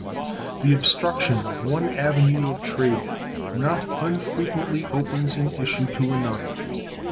The obstruction of one avenue of trade not unfrequently opens an issue to another.